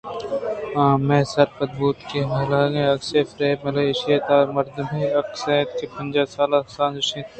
آ ہمے سر پد بوت کہ حالیگیں عکسی فریمے بلئے ایشی ءِ تہا مردمے ءِ عکسے ات کہ پنجاہ سال ءِ کساس ایشیءِعمر بوت